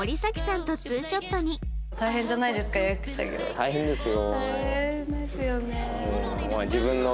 大変ですよね。